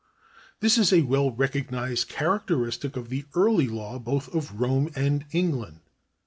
This is a well recognised characteristic of the early law both of Rome and England.